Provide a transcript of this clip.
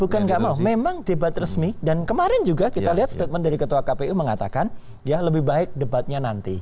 bukan nggak mau memang debat resmi dan kemarin juga kita lihat statement dari ketua kpu mengatakan dia lebih baik debatnya nanti